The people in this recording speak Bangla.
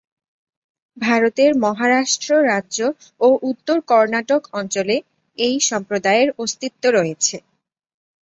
ভারতের মহারাষ্ট্র রাজ্য ও উত্তর কর্ণাটক অঞ্চলে এই সম্প্রদায়ের অস্তিত্ব রয়েছে।